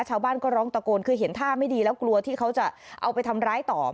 ชาวบ้านก็ร้องตะโกนคือเห็นท่าไม่ดีแล้วกลัวที่เขาจะเอาไปทำร้ายต่อ